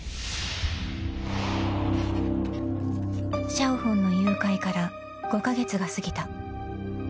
［シャオホンの誘拐から５カ月が過ぎた］